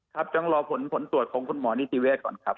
ครับต้องรอผลผลตรวจของคุณหมอนิติเวศก่อนครับ